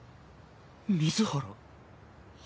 水原。